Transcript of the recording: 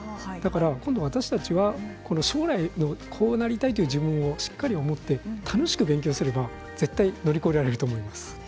今度、私たちは将来こうなりたいという自分をしっかり持って楽しく勉強すれば絶対に乗り越えられると思います。